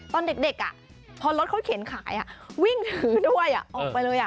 ตอนเด็กพอรถเขาเข็นขายวิ่งถือด้วยออกไปเลย